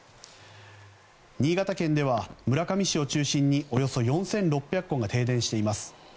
新潟県では村上市を中心におよそ４６００戸が停電しています。